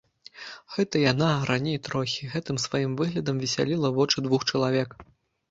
Гэта яна, раней трохі, гэтым сваім выглядам весяліла вочы двух чалавек.